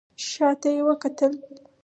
شا ته يې وکتل.